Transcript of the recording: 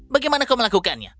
bagaimana kau melakukannya